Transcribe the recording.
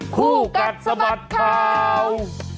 คู่กันสมัครข่าว